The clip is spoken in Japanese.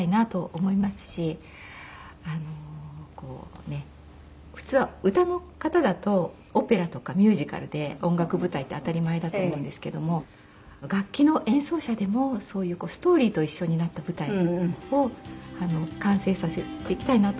こう普通は歌の方だとオペラとかミュージカルで音楽舞台って当たり前だと思うんですけども楽器の演奏者でもそういうストーリーと一緒になった舞台を完成させていきたいなと思います。